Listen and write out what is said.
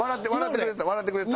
笑ってくれてた。